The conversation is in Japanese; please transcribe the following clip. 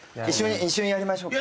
一緒にやりましょうか。